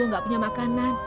aku tidak punya makanan